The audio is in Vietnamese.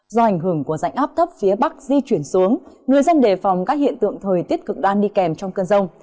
do ảnh hưởng của rãnh áp thấp phía bắc di chuyển xuống người dân đề phòng các hiện tượng thời tiết cực đoan đi kèm trong cơn rông